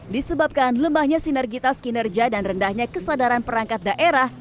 disebabkan lemahnya sinergitas kinerja dan rendahnya kesadaran perangkat daerah